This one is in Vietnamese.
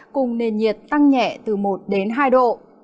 cùng nền nhiệt tăng nhẹ từ một đến hai độ